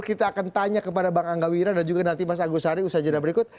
kita akan tanya kepada bang angga wira dan juga nanti mas agus hari usaha jadwal berikut